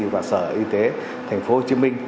và sở y tế tp hcm